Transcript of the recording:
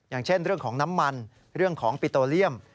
อย่างเช่นเรื่องของน้ำมันเรื่องของปิโตเลียม